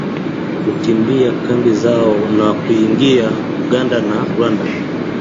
kukimbia kambi zao na kuingia Uganda na Rwanda